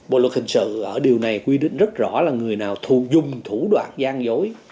bộ luật hình sự ở điều này quy định rất rõ là người nào dùng thủ đoạn gian dối